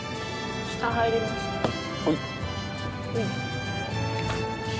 はい。